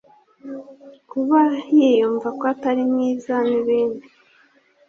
kuba yiyumva ko atari mwiza n’ibindi